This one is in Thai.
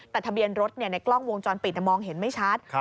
แต่ทะเบียนรถในกล้องวงจรปิดมองเห็นไม่ชัด